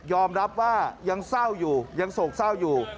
รับว่ายังเศร้าอยู่ยังโศกเศร้าอยู่